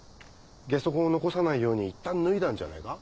ゲソ痕を残さないようにいったん脱いだんじゃねえか？